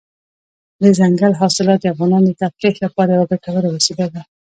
دځنګل حاصلات د افغانانو د تفریح لپاره یوه ګټوره وسیله ده.